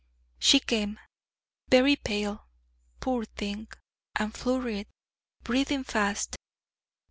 She came, very pale, poor thing, and flurried, breathing fast.